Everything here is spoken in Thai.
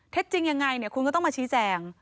เท็จจริงอย่างไรคุณก็ต้องมาชี้แจง